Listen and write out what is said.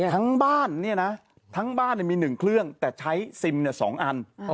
ทั้งบ้านเนี่ยนะทั้งบ้านมี๑เครื่องแต่ใช้ซิม๒อัน